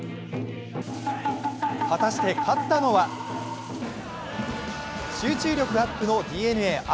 果たして勝ったのは集中力アップのＤｅＮＡ・東。